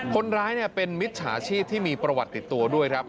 คนร้ายเป็นมิจฉาชีพที่มีประวัติติดตัวด้วยครับ